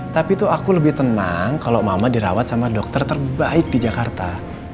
tapi tuh aku lebih tenang kalau mama dirawat sama dokter terbaik di jakarta